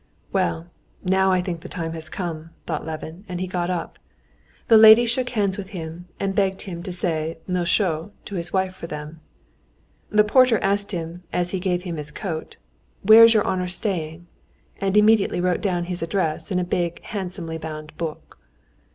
"Well, now I think the time has come," thought Levin, and he got up. The ladies shook hands with him, and begged him to say mille choses to his wife for them. The porter asked him, as he gave him his coat, "Where is your honor staying?" and immediately wrote down his address in a big handsomely bound book.